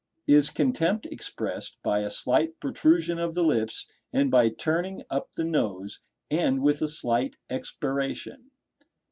Is contempt expressed by a slight protrusion of the lips and by turning up the nose, and with a slight expiration?